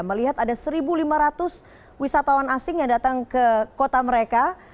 melihat ada satu lima ratus wisatawan asing yang datang ke kota mereka